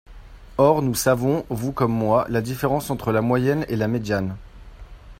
Or nous savons, vous comme moi, la différence entre la moyenne et la médiane.